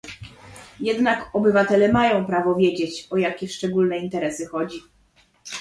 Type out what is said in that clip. Jednak obywatele mają prawo wiedzieć, o jakie szczególne interesy chodzi